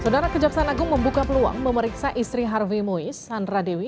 saudara kejaksaan agung membuka peluang memeriksa istri harvey muiz sandra dewi